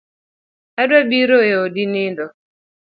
Adwa biro e odi nindo